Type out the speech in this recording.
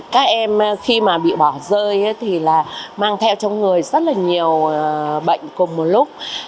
các em khi mà bị bỏ rơi thì là mang theo trong người rất là nhiều bệnh cùng một lúc